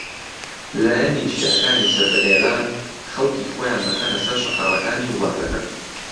لایەنە شیعەکانی سەر بە ئێران خەڵکی خۆیان دەخەنە سەر شەقامەکانی وڵاتەکە